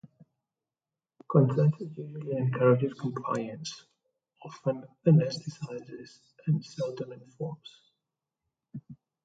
Consensus usually encourages compliance, often anaesthetises and seldom informs.